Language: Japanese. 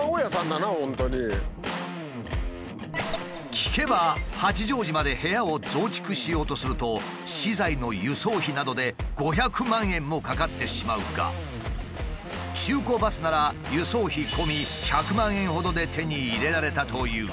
聞けば八丈島で部屋を増築しようとすると資材の輸送費などで５００万円もかかってしまうが中古バスなら輸送費込み１００万円ほどで手に入れられたという。